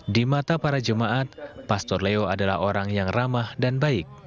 di mata para jemaat pastor leo adalah orang yang ramah dan baik